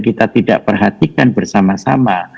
kita tidak perhatikan bersama sama